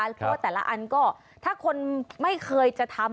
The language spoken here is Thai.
หมดแต่ละอันก็ถ้าคนไม่เคยจะทำ